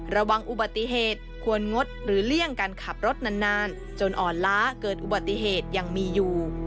ระวังอุบัติเหตุควรงดหรือเลี่ยงการขับรถนานจนอ่อนล้าเกิดอุบัติเหตุยังมีอยู่